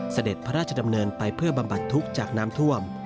เสด็จพระราชดำเนินไปเพื่อบำบัดทุกข์จากน้ำท่วม